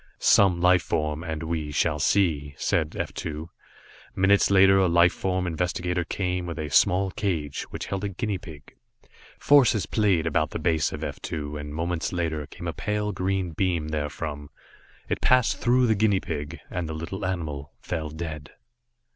"Some life form, and we shall see," said F 2. Minutes later a life form investigator came with a small cage, which held a guinea pig. Forces played about the base of F 2, and moments later, came a pale green beam therefrom. It passed through the guinea pig, and the little animal fell dead.